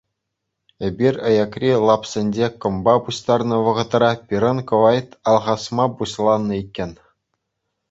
Эпир аякри лапсенче кӑмпа пуҫтарнӑ вӑхӑтра пирӗн кӑвайт алхасма пуҫланӑ иккен.